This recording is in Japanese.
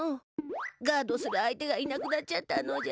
ガードする相手がいなくなっちゃったのじゃ。